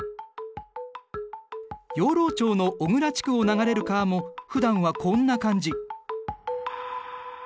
養老町の小倉地区を流れる川も普段はこんな感じ。